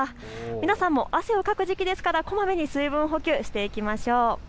皆さんも汗をかく時期ですからこまめに水分補給していきましょう。